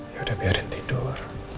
yaudah biarin tidur